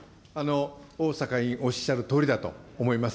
逢坂委員、おっしゃるとおりだと思います。